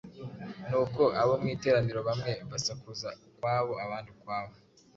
Nuko abo mu iteraniro bamwe basakuza ukwabo abandi ukwabo,